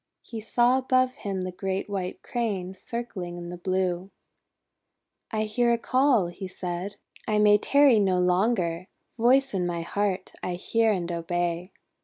He saw above him the great White Crane circling in the blue. 16 1 hear a call," he said. 'I may tarry no longer! Voice in my heart, I hear and obey!'